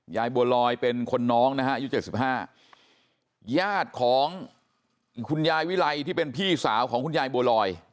ยายบัวลอยเป็นคนน้องนะฮะอายุ๗๕ญาติของคุณยายวิไลที่เป็นพี่สาวของคุณยายบัวลอย